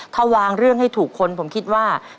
ถ้าวางเรื่องให้ถูกคนผมคิดว่า